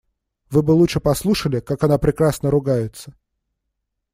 Вы бы лучше послушали, как она прекрасно ругается.